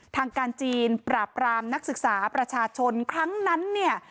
ทางการจีนปราบรามนักศึกษาประชาชนครั้งนั้นเนี่ย